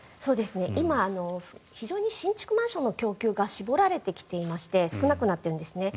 今非常に新築マンションの供給が絞られてきていまして少なくなっているんですね。